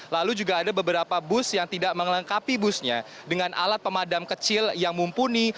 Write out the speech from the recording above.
lalu juga ada beberapa bus yang tidak melengkapi busnya dengan alat pemadam kecil yang mumpuni